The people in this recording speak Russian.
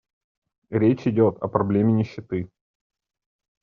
Речь идет о проблеме нищеты.